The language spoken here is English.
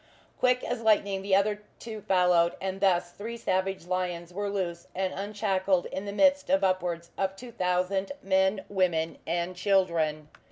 Quick as lightning the other two followed, and thus three savage lions were loose and unshackled in the midst of upwards of two thousand men, women and children.